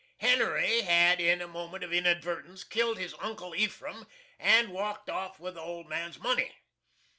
HENRY had, in a moment of inadvertence, killed his Uncle EPHRAM and walked off with the old man's money.